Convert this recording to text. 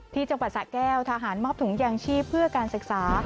ที่จังหวัดสะแก้วทหารมอบถุงยางชีพเพื่อการศึกษา